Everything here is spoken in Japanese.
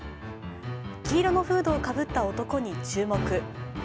黄色のフードをかぶった男に注目。